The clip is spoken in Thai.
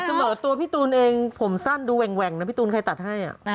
เสมอตัวพี่ตูนเองผมสั้นดูแหว่งนะพี่ตูนใครตัดให้